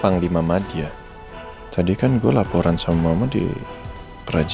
panglima madia tadi kan gue laporan sama mama di praja lima